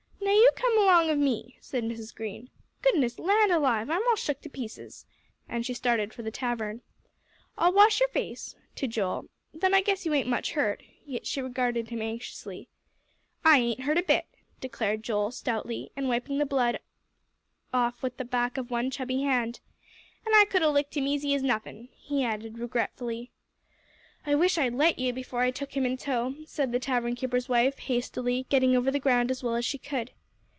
"Now you come along of me," said Mrs. Green. "Goodness land alive! I'm all shook to pieces," and she started for the tavern. "I'll wash your face," to Joel; "then I guess you ain't hurt much," yet she regarded him anxiously. "I ain't hurt a bit," declared Joel, stoutly, and wiping off the blood with the back of one chubby hand. "And I could 'a' licked him's easy as nothin'," he added regretfully. "I wish I'd let you, before I took him in tow," said the tavern keeper's wife, hastily, getting over the ground as well as she could.